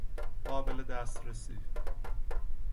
قابل دسترسی